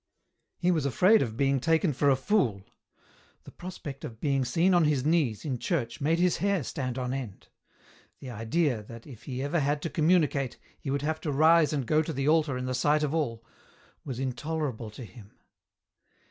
He was afraid of being taken for a fool ; the prospect of being seen on his knees, in church, made his hair stand on end ; the idea, that, if he ever had to communicate, he would have to rise and go to the altar in the sight of all, was intolerable to him.